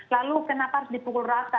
lalu kenapa harus dipukul rata